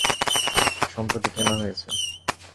সম্প্রতি কেনা হয়েছে।